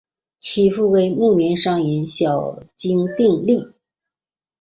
其父为木棉商人小津定利。